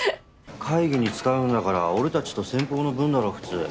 会議に使うんだから俺たちと先方の分だろ普通。